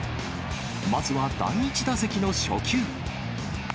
まずは第１打席の初球。